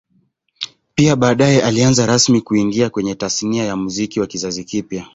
Pia baadae alianza rasmi kuingia kwenye Tasnia ya Muziki wa kizazi kipya